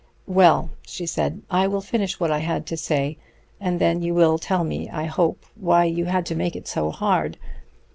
"Well," she said, "I will finish what I had to say, and then you will tell me, I hope, why you had to make it so hard.